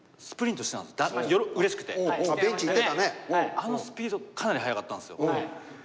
あのスピードかなり速かったんですよ。